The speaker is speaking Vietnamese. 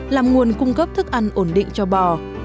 làm nguồn cung cấp thức ăn ổn định cho bò